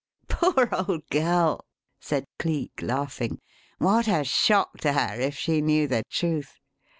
'" "Poor old girl!" said Cleek, laughing. "What a shock to her if she knew the truth.